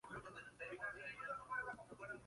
Tuvo tres hijos con Frank.